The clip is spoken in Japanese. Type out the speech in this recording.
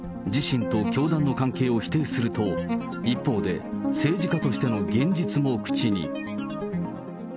自身と教団の関係を否定すると、一方で、政治家としての現実も口に。